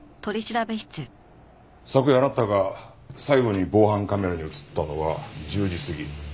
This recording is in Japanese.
昨夜あなたが最後に防犯カメラに映ったのは１０時過ぎ。